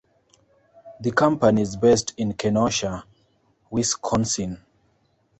The company is based in Kenosha, Wisconsin.